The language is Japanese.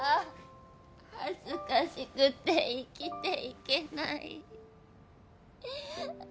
恥ずかしくて生きていけない。